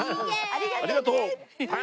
ありがとう！